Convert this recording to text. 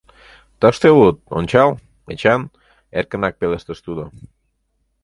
— Тыште улыт, ончал, Эчан, — эркынрак пелештыш тудо.